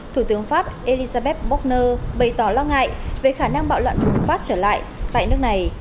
thủ tướng pháp elisabeth bochner bày tỏ lo ngại về khả năng bạo loạn của pháp trở lại tại nước này